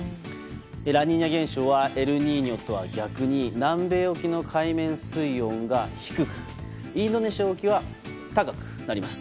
ラニーニャ現象はエルニーニョとは逆に南米沖の海面水温が低くインドネシア沖は高くなります。